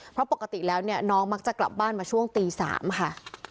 เพราะปกติแล้วเนี่ยน้องมักจะกลับบ้านมาช่วงตี๓ค่ะ